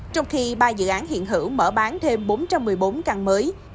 trong khi ba dự án hiện hữu mở bán thêm bốn trăm một mươi bốn căn mới